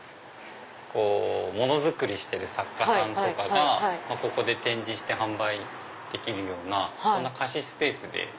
物作りしてる作家さんとかがここで展示して販売できるようなそんな貸しスペースで。